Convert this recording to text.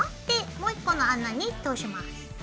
でもう１個の穴に通します。